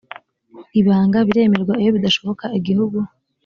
ibanga biremerwa iyo bidashoboka igihugu